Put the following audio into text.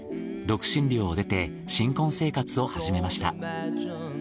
独身寮を出て新婚生活を始めました。